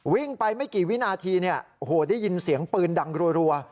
วิ่งไปไม่กี่วินาทีได้ยินเสียงปืนดังรัว